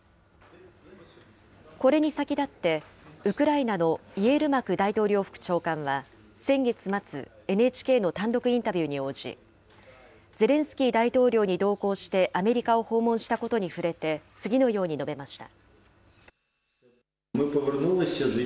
これに先立って、ウクライナのイエルマク大統領府長官は先月末、ＮＨＫの単独インタビューに応じ、ゼレンスキー大統領に同行してアメリカを訪問したことに触れて次のように述べました。